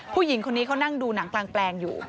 ผู้หญิงคนนี้เขานั่งดูหนังกลางแปลงอยู่